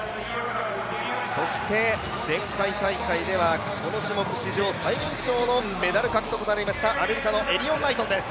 前回大会ではこの種目史上最年少のメダル獲得となりました、アメリカのエリヨン・ナイトンです。